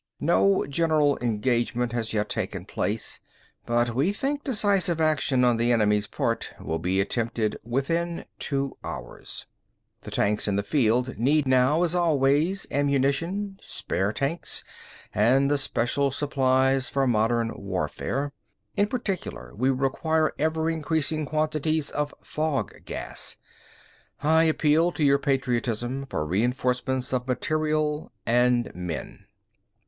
No general engagement has yet taken place, but we think decisive action on the enemy's part will be attempted within two hours. The tanks in the field need now, as always, ammunition, spare tanks, and the special supplies for modern warfare. In particular, we require ever increasing quantities of fog gas. I appeal to your patriotism for reinforcements of material and men."